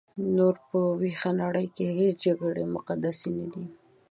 نور په ویښه نړۍ کې هیڅ جګړې مقدسې نه دي.